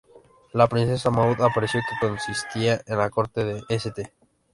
La princesa Maud apareció con consistencia en la corte de St.